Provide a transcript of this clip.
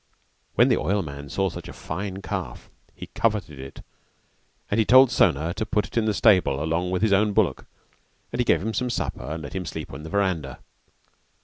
When the oilman saw such a fine calf he coveted it and he told Sona to put it in the stable along with his own bullock and he gave him some supper and let him sleep in the verandah.